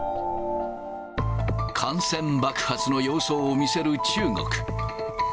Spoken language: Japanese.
感染爆発の様相を見せる中国。